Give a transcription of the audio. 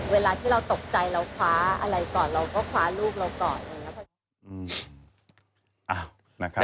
เวลาที่เราตกใจเราคว้าอะไรก่อนเราก็คว้าลูกเราก่อนอะไรอย่างนี้